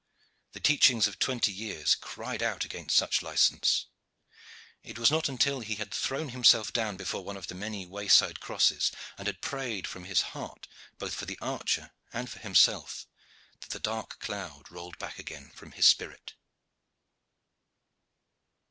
The teachings of twenty years cried out against such license. It was not until he had thrown himself down before one of the many wayside crosses, and had prayed from his heart both for the archer and for himself, that the dark cloud rolled back again from his spirit.